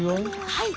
はい！